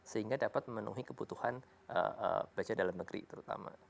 sehingga dapat memenuhi kebutuhan baja dalam negeri terutama